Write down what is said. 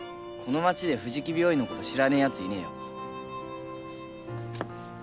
この町で藤木病院のこと知らねえヤツいねえよ。